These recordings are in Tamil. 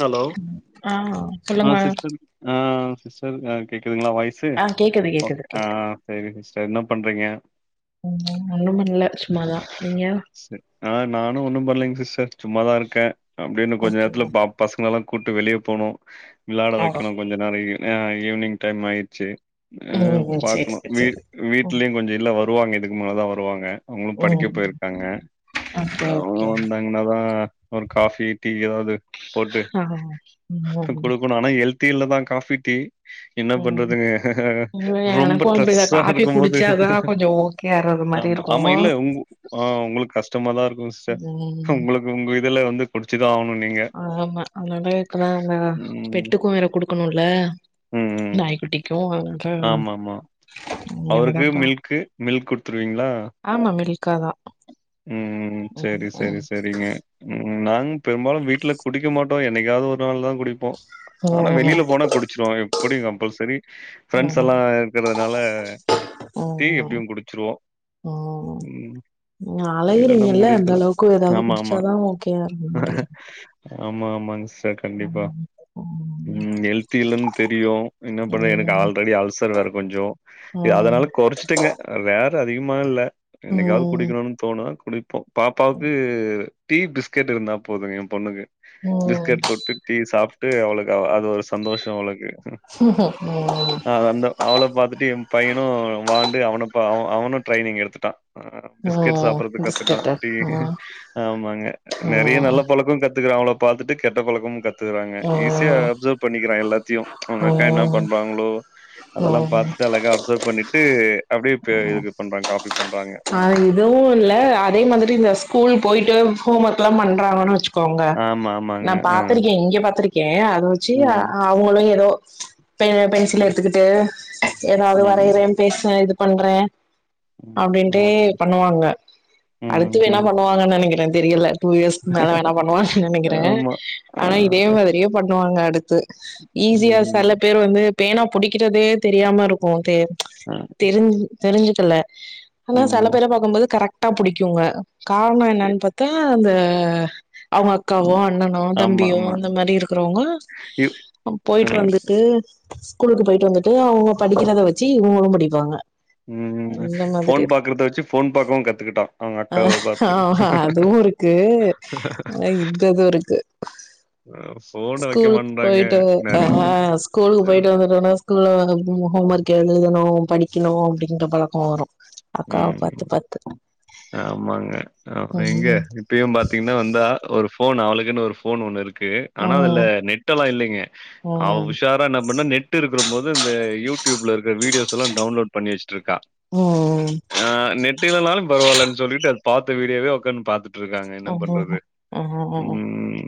ஹலோ ஆ அ சொல்லுங்க சிஸ்டர் அ சிஸ்டர் அ கேக்குதுங்களா வாய்ஸ் சு ஆ கேக்குது கேக்குது ஒகே அ கேக்குது சேரி சிஸ்டர் என்ன பண்றீங்க உஹு ஒண்ணு பண்ல சும்மாதா நீங்க சரி அ நானு ஒன்னு பண்ணலைங் சிஸ்டர் சும்மாதா இருக்க அப்டே இன்னு கொஞ்ச நேரத்துல ஓகேங்க பாப் பசங்களல்லா கூட்டு வெளிய போணு விளாட வைக்கணு கொஞ்ச நாரையி அ ஈவினிங் டைம் ஆயிடுச்சு அ ம் ம் சேரி பாக்குணு சேரி வீ சேரி ம் வீட்லுயு கொஞ்சோ இல்ல வருவாங்க இதுக்குமேலதா வருவாங்க அவுங்களும் படிக்க ம் போயிருக்காங்க ஓகே அவுங்க ஓகே வந்தாங்கன்னாதா ஒரு காஃபி டீ எதாவது போட்டு ஆ ம் குடுக்கணு ஆனா ஹெல்தி இல்லதா காஃபி டீ என்ன ம் பண்றதுங்க ம் ரொம்ப எனக்கு அப்டிதா ட்ரஸ்சா காஃபி இருக்கும் போது குடிச்சாதா கொஞ்சோ ஓகே ஆறது மாரி ஆமா ஆமா இருக்கு இல்ல உங் அ உங்களுக்கு கஷ்டமாதா இருக்கு சிஸ்டர் ம் உங்களுக்கு உங்க இதுல வந்து குடிச்சுதா ஆவணு நீங்க ஆமா அதனால இப்பதா அவுங்க ம். பெட்டுக்கு வேற குடுக்கணுல்ல நாய்க்குட்டிக்கு அ ஆமா ஆமா அவுருக்கு மில்க்கு மில்க் குடுத்துருவீங்களா ஆமா மில்க்காதா ம் ம் சேரி சேரி சேரிங்க ம் ம் நாங் பெரும்பாலு வீட்ல குடிக்க மாட்டோ என்னைக்காவது ஒரு நாள் தா குடிப் போ ஆனா ம் வெளில போனா குடிச்சிருவோ எப்டியு கம்பல்செரி ஃப்ரண்ட்ஸ் ம் எல்லா இருக்கிறதுனால டீ எப்டியு குடிச்சிருவோ ஆ ம் இல்லன்னா மூடி அந்த இருக்கலா அளவுக்கு ஏதாவது ஆமா ஆமா குடிச்சாதா ஓகேயா இருக்க மாட்டேங்குது ஆமா ஆமாங் சிஸ்டர் கண்டிப்பா ம் ஹெல்தி இல்லன்னு தெரியு என்ன பண்ற எனக்கு ஆல்ரெடி அல்சர் வேற கொஞ்சோ ம் குறச்டேங்க ரேர் அதிகமா இல்ல என்னைக்காவது ம் குடிக்கணும்னு தோணு குடிப்போ பாப்பாவுக்கு டீ பிஸ்கெட் இருந்தா போதுங்க என் பொண்ணுக்கு ம் பிஸ்கெட் தொட்டு டீ சாப்ட்டு அவளுக்கு அது ஒரு சந்தோஷோ அவளுக்கு ம் அ அந்த அவள பாத்துட்டு என் பையனு வாண்டு அவனு அவ அவனு ட்ரைனிங் எடுத்துட்டா அ கட் ம் சாப்பறதுக் கத்துட்டா பிஸ்கட்டு டீ ம் ஆமாங்க நெறய நல்ல ம் பழக்க கத்துக்குறா அவள பாத்துட்டு கெட்ட பழக்கமு கத்துக்கறாங்க ஈஸியா ம் அப்சர்வ் பண்ணிக்கிறா எல்லாத்தையு அவுங்க அக்கா என்ன ம் பண்றாங்களோ அதெல்லா ம் பாத்துட்டு அழகா அப்சர்வ் பண்ணிட்டு அப்டியே ப இதுக் கு பண்றாங்க காபி ஆ இதுவு இல்ல அதே மாதிரி இந்த ஸ்கூல் போயிட்டு ஹோம் ஒர்க் எல்லா பண்றாங்கன்னு வச்சு கோங்க ஆமா, நா ஆமாங்க. ஆ. பாத்திருக்கே இங்க பாத்திருக் கே அத வச்சு ம். அவுங்களு ஏதோ பே பே சில எடுத்துக்கிட்டு ஏதாவது ம். வரையறே பேசறே இது பண்றே ம். அப்டின் டே ஓகே. பண்ணுவாங்க ம். அடுத்து வேணா ம். பண்ணுவாங்கன்னு நெனக்கிறே தெரியல டூ இயர்ஸ்க்கு மேல வேணா பண்ணுவாங்கன்னு நெனக்கிறே ஆமா. ஆ. ஆனா இதே மாதிரியே பண்ணுவாங்க அடுத்து ஈஸியா ம். சேல பேர் வந்து பேணா புடிக்கிறதே தெரியாம இருக்கு தெ ஆ. தெரிஞ் தெரிஞ்சுக்கல ஆனா சில ம். பேர பாக்கும்போது கரெக்ட்டா புடிக்குங்க காரணோ என்னன்னு பாத்தா அந்த அவுங்க அக்காவோ அண்ணனோ ஆமா, தம்பியோ ஆமா. அந்த மாறி இருக்கறவங்க இ நம் அ போயிட்டு வந்து ட்டு ஸ்கூலுக்கு போயிட்டு வந்துட்டு அவுங்க படிக்கிறத வச்சு இவங்களு படிப்பாங்க ம் ம் அந்த மாதிரி போன் இருக்கு பாக்கிரத வச்சு போன் பாக்கவு கத்துக்கிட்டா அவுங்க அக்காவ ஆ பாத்து அ இந்த இது இருக்கு [unintelligible] ஸ்கூலுக்கு மாட்றாங்க போயிட்டு அ நெறைய ஸ்கூலுக்கு போயிட்டு வந்துட்டோனா க்குள்ள ஹோம் ஒர்க் எழுதணு படிக்கணு அப்டின்ற பழக்கோ வரு அக்காவ ம் பாத்து பாத்து ஆமாங்க ஆமா எங்க ம் இப்பயு பாத்தீங்கன்னா வந்தா ஒரு போன் அவளுக்குன்னு ஒரு போன் ஒண்ணு இருக் கு ஆனா அதுல ம் நெட் எல்லா இல்லேங்க அவ ம் உஷார் ப்ப என்ன பண்ணே நெட் இருக்கிறம்போது இந்த யூடியூப்ல இருக்கிற வீடியோஸ் எல்லா டவுன்லோட் பண்ணி வச்சுட்டு இருக்கா நெட் இல்லனாலு பரவால்லன் சொல்லிட்டு அது பாத்த வீடியோவே உட்காந்து பாத்துட் ட்ருக்காங்க என்ன ம் பண்றது ம் ம்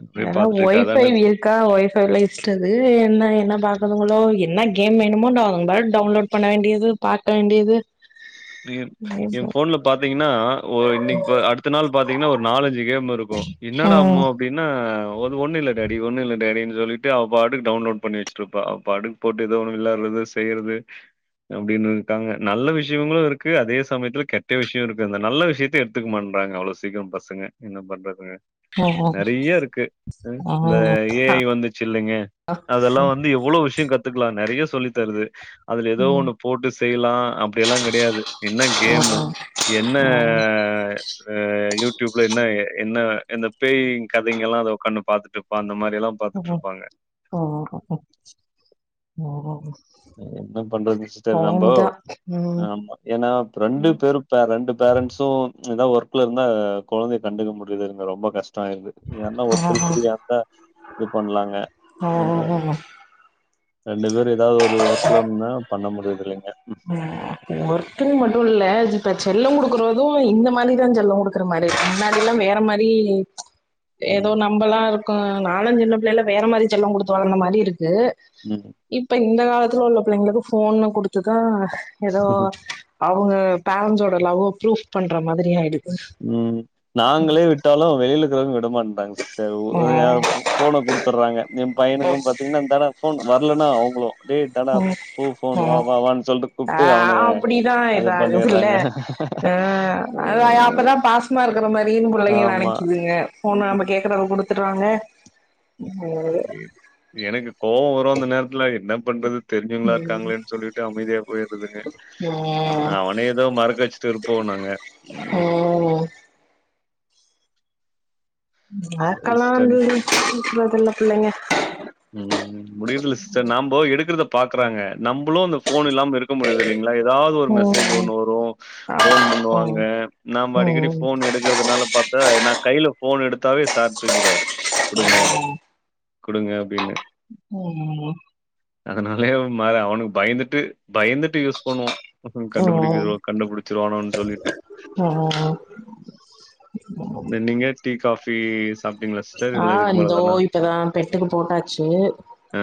அப்டியே பாத்துட்டு இருக்காதனு கா ஒய்பைல இஷ்டது என்ன என்ன பக்குதுங்களோ என்ன கேம் வேணுமோ ட அ பா டவுன்லோட் பண்ண வேண்டியது பாக்க வேண்டியது ம் என் போன்ல பாத்தீங்கன்னா ஒ இன்னைக்கு அடுத்த நாள் பாத்தீங்கன்னா ஒரு நாலஞ்சு கேம் இருக்கு ம் என்னடா அம்மு ம் அப்டினா ஒன்னு இல்ல டாடி ஒன்னு இல்ல டாடின்னு சொல்லிட்டு அவ பாட்டுக்கு டவுன்லோட் பண்ணி வச்சுட்ருப்பா அவ பாட்டுக் போட்டு ஏதோ ஒணன்னு விளையாடுறத செய்யறது அப்டின்னு இருக்காங்க நல்ல விஷ இவுங்களு இருக்கு அதே சமயத்துல கெட்ட விஷயோ இருக்கு அந்த நல்ல விஷயத்த எடுத்துக்க மாட்டேண்றாங்க அவ்ளோ சீக்கிர பசங்க என்ன ம் பண்றதுங்கநெறய இருக்கு இந்த ம் ஏஐ வந்துச்சு இல்லங்க அதெல்லா வந்து எவ்ளோ விஷய கத்துக்லா நெறய சொல்லி தருது அதுல ஏதோ ஒண்ணு போட்டு செய்லா அப் அப்டி எல்லா கெடையாது என்ன கேமு என்ன யூடியூப்ல என்ன என்ன இந்த பேய் கதைங்க எல்லா அத உட்காந்து பாத்துட்டு இருப்பா அந்த மாரி எல்லா க்கும் ஓ ஓ ஓ ஓ என்ன பண்றது சிஸ்டர் நம்போ ம் ஆமா ஏனா ரெண்டு பேரு இப்ப ரெண்டு பேரண்ட்ஸு எதா ஒர்க்ல இருந்தா குழந்தைய கண்டுக்க முடியறதே இல்லங்க ரொம்ப கஷ்ட ஆயிருது யார்னா ஆ ஒத்தரு ஃபிரியாந்தா இது பண்ணலாங்க ஆ உ ரெண்டு பேரு ஏதாவது ஒரு ஒர்க்லனா பண்ண முடிறது இல்லைங்க ஒர்த்துன் மட்டு இல்ல இப்ப செல்லம் குடுக்குறது இந்த மாரிதா செல்லம் குடுக்குற மாரி முன்னாடி எல்லா வேற மாரி ஏதோ ம். நம்மல்லா இருக்கோ நாலஞ் சின்ன பிள்ளையில வேற மாரி செல்லம் குடுத்து வளர்ந்த மாரி இருக்கு ம் இப்ப இந்த காலத்துல உள்ள படள்ளைங்களுக்கு போன் குடுத்துதா ஏதோ அவங்க பேரண்ட்ஸோட லவ்வ ப்ரூப் பண்ற மாதிரி ஆயிடுது ம் நாங்களே விட்டாலு வெளியில இருக்கிறவங்க விட மாட்டங்க சிஸ்டர் ஆ ஒ யா போன குடுத்துர்றாங்க என் பையனுக்கு பாத்தீங்னா இந்தடா போன் வர்லன்னா அவுங்ளு டேய் இந்தாடா பு ஆ ஃபோன் வா ஆ வாவான் சொல்டு ஆ கூப்டு அவன அப்டிதா அது இதாகுதுல்ல பண்ணிறாங்க ஆ அத அப்பதா பாசமா இருக்கிற மாரின் புள்ளைங்க ஆமா. நெனைக்குதுங்க போன நம்ம ம். கே க்குறோ குடுத்துர்றாங்க எனக்கு கோவ வரு அந்த நேரத்துல என்ன பண்றது தெரிஞ்சுவங்களா இருக்காங்களேன் சொல்லிட்டு அமைதியா போய்றதுங்க ம் அவன ஏதோ மறக்க வச்சுட்டு இருப்போ நாங்க ம் சரி மறக்கல்லா சிஸ்டர். இ்ல்லைங்க [inaudible] புள்ளைங்க உம் முடிறதுல சிஸ்டர் நம்போ எடுக்கறத பாக்குறாங்க நம்மளு அந்த போன் இல்லாம இருக்க முடிறது இல்லைங்ளா ஏதாவது ஒரு ம் மெசேஜ் ஒண்ணு வரு ஆமா போன் பண்ணுவாங்க ம் நாம அடிக்கடி ம் போன் எடுக்க றதுனால பாத்தா நா கைல போன் எடுத்தாவே சார் தூக்கிடுவாரு குடுங்க குடுங்க அப்டின்னு உம் அதனாலே அவனுக்கு பயந்துட்டு பயந்துட்டு யூஸ் பண்ணுவோ அப்றோ ம் ம் கண்டுபிடிக்கறதோ கண்டுபிடிச்சிருவானோன் சொல்லிட்டு நீங்க டீ காபி ஆ இந்தோ இப்பதா பெட்டுக்கு போட்டாச்சு ஆ.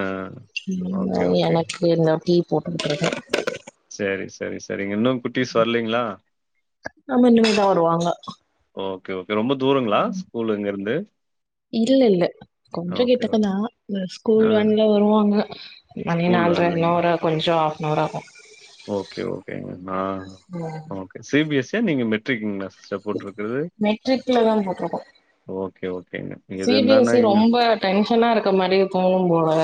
Okay, okay. எனக்கு இந்த டீ போட்டுக்கட்டு இருக்க செரி செரி செரிங்க இன்னு ஆமா இனிமேதா வருவாங்க ஓகே ஓகே ரொம்ப தூரங்களா ஸ்கூல் இங்க இருந்து இல்ல இல்ல கொஞ்ச கிட்டக்க தா இந்த ஓகே ஸ்கூல் ஆ வேன்ல வருவாங்க மணி ஸ்கூல் நால்ற இன்னு வேன்லைங்களா? ஒரு கொஞ்சோ ஆப் ஹனவர் ஆகு ஓகே ஓகேங்க நா okay C B S C யா நீங்க மெட்ரிக்குங்ளா சப்போட் இருக்கிறது மெட்ரிக்ல தான் போட்டிருக்கோம். ஓகே ஓகேங்க சி எது பி எஸ் சி இருந்தாலும் எங்க ரொம்ப டென்ஷனா இருக்க மாரி தோணும் போலா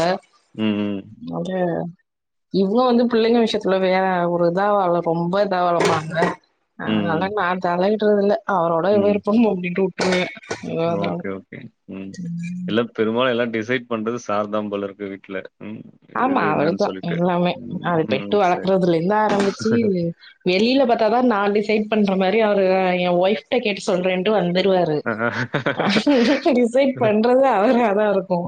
ம், ம். ஒகே இவ்ளோ வந்து பிள்ளைங்க விஷயத்துல வேற ஒரு இதா இல்ல ரொம்ப இதா வளப்பாங்க ம், அதல்லா நா தலையிடுரதில்ல அவரோட ம். விருப்பம் அப்டின்ட்டு விட்டுருவே ஓகே ஓகே. ம் எல்லா பெருபாலும் எல்லா டிசைட் பண்றது சார்தாம் போல இருக்கு வீட்ல ம் இது ஆமா இது என்னன்னு அவர்தா சொல்லிட்டு. எல்லாமே ம், அத ம். பெட்டு சரி. வளர்க்கறதுல இருந்து ஆரம்பிச்சு வெளியில பாத்தாதா நா டிசைட் பண்ற மாரி அவரு என் வைஃப்ட கேட்டு சொல்றேன்ட்டு வந்துருவாரு டிசைட் பண்றது அவர தா இருக்கு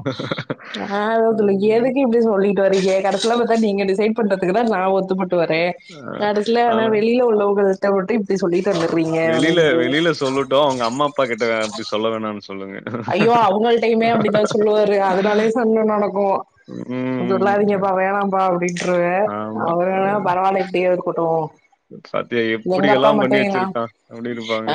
ஆ அதுல ம். எதுக்கு இப்டி சொல் லிட்டு வர்றீங்க கடைசில பாத்தா நீங்க டிசைட் பண்றதுக்கு தா நா ஒத்துப்பட்டு வரே ஆ கடசில ஆனா வெளி வெளிய உள்ளவங்கள்ட்ட மட்டு இப்டி சொல்லிட்டு வந்தீர்ரீங்க அப்டின்டு சோ உங்க அம்மா அப்பா கிட்ட அப்டி சொல்ல வேணாம்னு சொல்லுங்க ஐயோ அவுங்கள் டையுமே அப்டிதா சொல்லுவாரு அதனாலயே சண்ட நடக்கு ம். சொல்லாதீங்கப்பா வேணாம்பா அப்டின்ருவே ஆமா. அவரு ஆனா பரவாயில்ல இப்டியே இருக்கட்டு சத்தே எங்க அப்பா மட்டு எங்க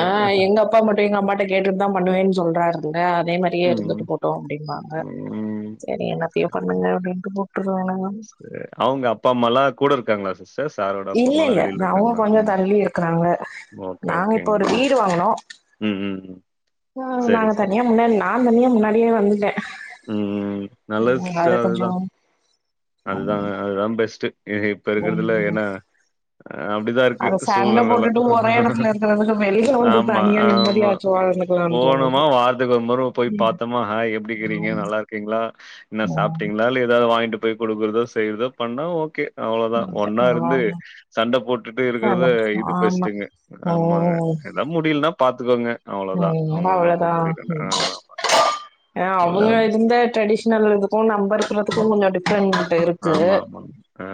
ஆ எங்க அப்பா மட் டு எங்க அம்மாட்ட கேட்டு தா பண்ணுவேன்னு சொல்றாரு இல்ல அதே மாதிரியே ம். இருந்துட்டு போட்டோம் அப்டிம்பாங்க ம். சரி என்னத்தயோ பண்ணுங்க அப்டின்ட்டு போ ட்ருவானுங்க அவ்ங்க அப்பா அம்மாலா கூட இருக்காங்களா சிஸ்டர் சாரோட அப்பா அம்மாலா வெளில இருக்காங்களா ம் க்கறாங்க ஓகே, நாங்க இப்ப ஓகேங்க. ஒரு வீடு வாங்னோ ம், ம், ம். ஆஹ் சரி, நாங்க சரி. தனியா முன்னாடி நான் தனியா முன்னாடியே வந்துட்டே அது நல்லதுசிஸ்டர் கொஞ்சோ அதுதா அதுதா அதுதா பெஸ்ட்டு இப்ப இருக்கறதுல ம் ஏனா அஹ் அத அப்புடிதாருக்கு சண்ட சூழ்நெலல்லா போட்டுட்டு ஒரே எடத்துல இருக்கறதுக்கு வெளில வந்து ஆமா தனியா ஆமா நிம்மதியாச்சு வாழ்ந்துக்கலான்னு போணுமா தோணுது வார்த்துக்கு ஒரு முற போய் ம் பாத்தமா ஹய் எப்புடிகீறிங்க நல்லாருக் கீங்ளா ன்னா ம் சாப்ட்டீங்களா இல்ல ஏதாவது வாங்கிட்டு போய் குடுக்குறதோ செய்யறதோ பண்ணா ஓகே அவ்ளோதா ஒன்னா இருந்து ஆமா சண்ட போட்டுட்டு இருக்கறத இது பெஸ்ட் ஆமா டுங்க ஆமாங்க ம் எதா முடிலன்னா பாத்துக்கோங்க ம் அவ்ளோதான். எல்லா அவங்களுக்கு ரொம்ப அவ்ளோதா முடியலன்னா. ம் ஆமா. அவுங்க எல்லாம் இருந்த ட்ரெடிஷனல் இதுக் கோ நம்பருக்கறதுக்கு கொஞ்சோ டிப் ரெண்ட்டிருக்கு ஆமா, ஆமாங்க. ஆ.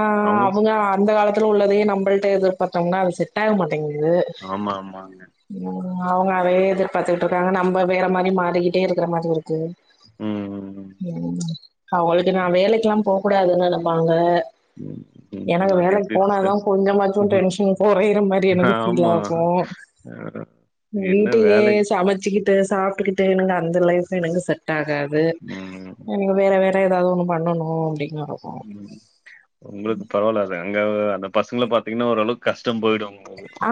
ஆஹ அவங்க அவுங்க அந்த காலத் துள உள்ளதையு நம்மள்ட்ட எதிர்பாத்தோம்னா அது செட் ஆக மாட்டேங்குது ஆமா ஆமாங்க அவங்க அதைய எதிர்பார்த்துக்கிட்டு இருக்காங்க நம்ம வேற மாரி மாறிக்கிட்டே இருக்கிற மாரி இருக்கு ம், ம், உம் அவங்களுக்கு நா வேலைக்கெல்லா நா போ கூடாதுன்னு நெனப்பாங்க [inaudible] எனக்கு அது வேலைக்கு எப்டி போனாதா சிஸ்டர்? கொஞ்சமாச்சும் டென்ஷன் கொறையிற மாரி எனக்கு ஃபீல் ஆகு வேற வீட்டையே சமச்சுக்கிட்டு சாப்ட்டுக்கிட்டு எனக்கு அந்த லைப் எனக்கு செட் டாகாது ம், எனகு வேற வேற ஏதாவது ஒண்ணு பண்ணணு அப்டிங்கறதா உங்களுக்கு பரவால அத அங்க அந்த பசங்கள பாத்தீங்கனா ஓரளவுக்கு கஷ்டம் போயிடும்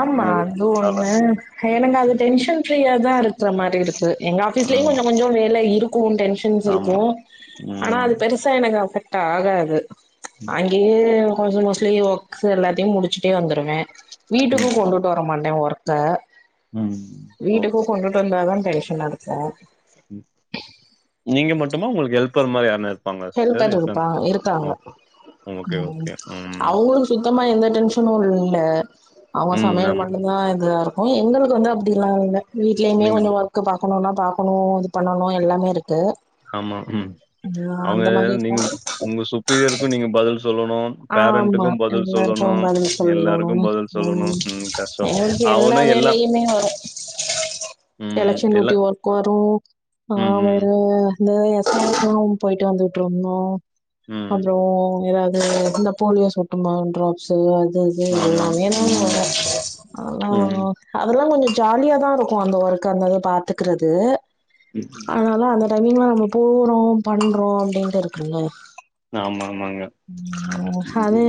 ஆமா அது ஒண்ணு எனக் அது டென்ஷன் ஃப்ரீயா தா இருக் கற மாரி இருக்கு எங்க ஆஃபீஸ்லயு ம் கொஞ்சோ கொஞ்சோ வேல இருக்கு டென்ஷன்ஸ் ஆமா இருக்கு ஆனா ம் அது பெருசா எனக்கு அபெக்ட் ஆகாது அங்கே யே கொஞ்சோ மோஸ்ட்லி வொர்க்ஸ் எல்லாத்தையு முடிச்சுட்டே வந்துருவே வீட்டுக்கு ம் கொண்டுட் டு வர மண்டே ஒர்க்க ம் வீட்டுக்கு ஓகே கொண்டுட்டு வந்தா தா டென்ஷனா இருக்கு ம் நீங்க மட்டுமா உங்களுக்கு ஹெல்பர் மாரி யாருனா இருப் ஹெல்பர் இருப்பா இருக்காங்க ஓகே ஓகே ம் அவ்ங்களுக்கு சுத்தமா எந்த டென்ஷனு இல்ல அவ ம் சமயல் ஆமா பண்ணி வா இதுவாயிருக்கு எங்குளுக்கு வந்து அப்டிலா இல்ல வீட்லேயுமே நீங்க கொஞ்சோ வொர்க் பாக்கணுனா பாக்கணு இது பண்ணணு எல்லாமே இருக்கு ஆமா ம் ஆ அவ்ங்க அந்த மாரி நீங்க இருக்கு உங்க சுப்பீயருக்கு நீங்க பதில் சொல்லணு ஆமா பேரண்ட்டுக்கும் பதில் எல்லாருக்கு சொல்லணு பதில் சொல்லணு எல்லாருக்கு பதில் சொல்லணு ம் கஷ்டோ எங்களுக்கு அவனு எல்லா [inaudible] ம் எலெக்க்ஷன் எல்லா டியூட்டி ஒர்க் வரு ஆ ம் ம் வேற இந்த எஸ் ஆர்லா போயிட்டு வந்துட்டு இருந்தோ ம் அப்றோ ஏதாவது போலியோ சொட்டுமா டிராப்ஸ்சு அது இது ஆமா எல்லாமே ஏதாவொன்னு ம் வரு அதெல்லா வரு ம் அதல்லா கொஞ்சோ ஜாலிய தான் இருக்கு அந்த ஒர்க்க் அந்தது பாத்துக்கரது ம் அனாலு அந்த டைமிங்லா நம்ம போறோ பண்றோ அப்டின்ட்டு இருக்குல ஆமா ஆமாங்க. ம் ஹது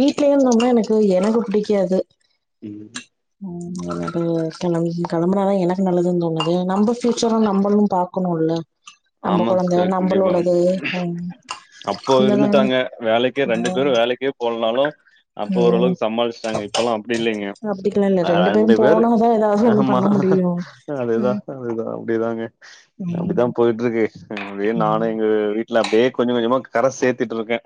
வீட்லயே இருந்தோம்னா எனக்கு எனக்கு புடிக்காது ம் உ எனக்கே கெளம் கெளம்புனாத எனக்கு நல்லதுன்னு தோணுது நம்ப ஃப்யூச்சர நம்பளு பாக்கணுல்ல நம்ம ஆமா கொழந்த சிஸ்டர் கண்டிப்பா நம்மளோடது ம் அப்போ இந்த காலம் இருந்துட்டாங்க வேலைக்கே ரெண்டு பேரு வேலைக்கே போலனாலு அப்போ ம் ஓரளவுக்கு சமாளிச்சுட்டாங்க இப்பல்லா அப்டி இல்லைங்க அப்டிக்கெல்லா இல்ல ரெ ரெண்டு பேரும் பேரு போனாதா ஏதாவது ஒண்ணு ஆமா பண்ண முடியு அதேதா ம் அதேதா அப்டிதாங்க ம் அப்டிதா போயிட்டு இருக்கு அ அப்டியே நானு எங்க வீட்டுல அப்டியே கொஞ்சோ கொஞ்சமா கர சேர்த்துட்டு இருக்கே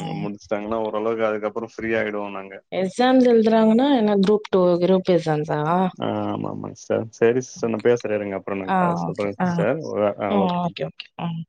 ம் முடிச்சுட்டாங்கன்னா ஓரளவுக்கு அதுக்கப்றோ ஃப்ரீ ஆயிடுவோ நாங்க எக்ஸாம்ஸ் எழுதுறாங்கன்னா என்ன குரூப் டூ குருப் எக்ஸாம்சா ஆ ஆமாமா சிஸ்டர். சரி சிஸ்டர் ஓகே நான் ஓகே பேசுறேன் இருங்க. அப்புறம் நான் ஆ கால் ஓகே சொல்றேன் ஆ சிஸ்டர். ஆ ம் ஓகே ஓகே ம்.